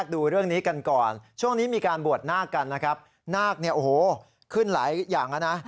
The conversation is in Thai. ดูเรื่องนี้กันก่อนช่วงนี้มีการบวชนาคกันนะครับนาคเนี่ยโอ้โหขึ้นหลายอย่างแล้วนะ